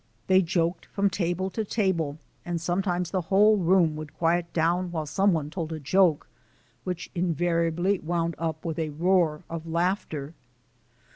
They joked from table to table, and sometimes the whole room would quiet down while some one told a joke, which invariably wound up with a roar of laughter.